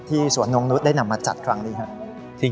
สวนนงนุษย์ได้นำมาจัดครั้งนี้ครับ